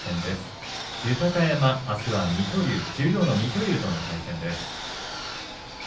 豊山は、あすは水戸龍十両の水戸龍との対戦です。